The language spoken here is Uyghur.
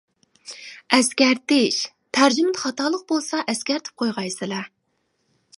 ئەسكەرتىش: تەرجىمىدە خاتالىق بولسا ئەسكەرتىپ قويغايسىلەر.